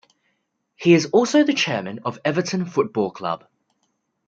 He is also the chairman of Everton Football Club.